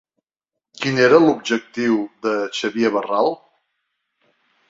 Quin era l'objectiu de Xavier Barral?